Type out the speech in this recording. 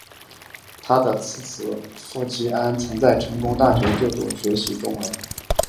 他的次子傅吉安曾在成功大学就读并学习中文。